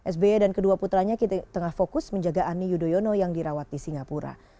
sby dan kedua putranya tengah fokus menjaga ani yudhoyono yang dirawat di singapura